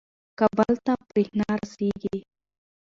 کابل ته برېښنا رسیږي.